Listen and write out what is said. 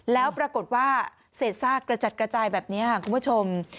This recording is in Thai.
แล้วปรากฏว่าเศษซากกระจัดกระจายแบบนี้ค่ะคุณผู้ชม